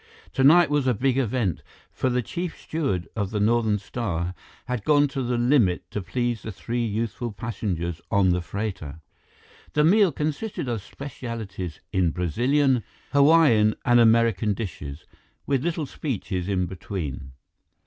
Tonight was a big event, for the chief steward of the Northern Star had gone the limit to please the three youthful passengers on the freighter. The meal consisted of specialties in Brazilian, Hawaiian, and American dishes, with little speeches in between.